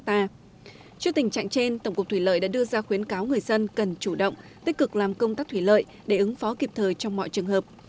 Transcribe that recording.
trước tình trạng trên tổng cục thủy lợi đã đưa ra khuyến cáo người dân cần chủ động tích cực làm công tác thủy lợi để ứng phó kịp thời trong mọi trường hợp